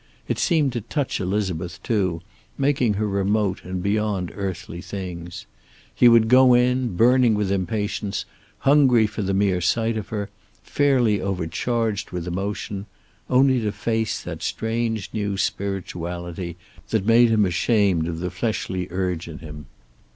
It seemed to touch Elizabeth, too, making her remote and beyond earthly things. He would go in, burning with impatience, hungry for the mere sight of her, fairly overcharged with emotion, only to face that strange new spirituality that made him ashamed of the fleshly urge in him.